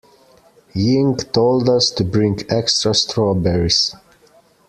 Ying told us to bring extra strawberries.